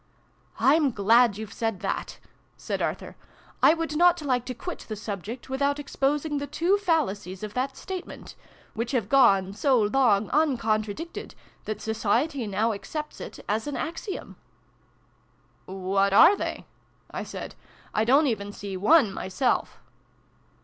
"I'm glad you've said that!" said Arthur. " I would not like to quit the subject without exposing the two fallacies of that statement which have gone so long uncontradicted that Society now accepts it as an axiom !" "What are they?" I said. "I don't even see one, myself."